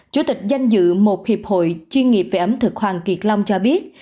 chủ tịch danh dự một hiệp hội chuyên nghiệp về ẩm thực hoàng kiệt long cho biết